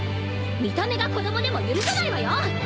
見た目が子供でも許さないわよ！